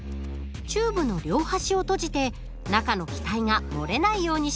チューブの両端を閉じて中の気体が漏れないようにします。